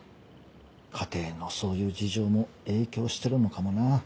家庭のそういう事情も影響してるのかもな。